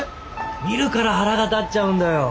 見るから腹が立っちゃうんだよ。